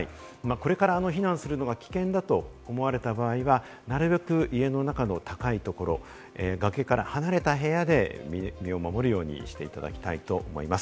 これから避難するのが危険だと思われた場合は、なるべく家の中の高いところ、崖から離れた部屋で身を守るようにしていただきたいと思います。